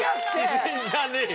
自然じゃねえよ。